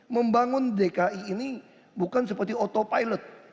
membangun dki ini bukan seperti autopilot